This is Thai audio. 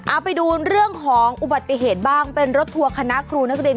เอาไปดูเรื่องของอุบัติเหตุบ้างเป็นรถทัวร์คณะครูนักเรียน